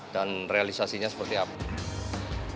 dan realisasinya seperti apa